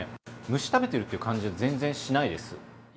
虫食べてるという感じは全然しないです。